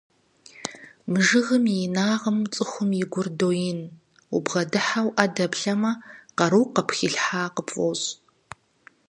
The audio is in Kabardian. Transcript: Мы жыгым и инагъым цӀыхум и гур доин, убгъэдыхьэу Ӏэ дэплъэмэ, къару къыпхилъхьа къыпфӀощӀ.